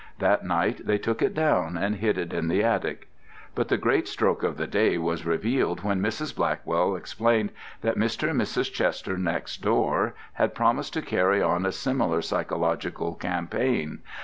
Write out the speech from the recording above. That night they took it down and hid it in the attic. But the great stroke of the day was revealed when Mrs. Blackwell explained that Mr. and Mrs. Chester, next door, had promised to carry on a similar psychological campaign.